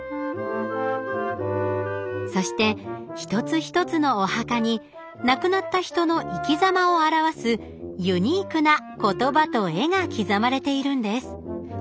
そして一つ一つのお墓に亡くなった人の生きざまを表すユニークな言葉と絵が刻まれているんです